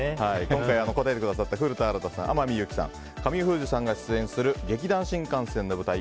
今回答えてくださった古田新太さん天海祐希さん、神尾楓珠さんが出演する劇団☆新感線の舞台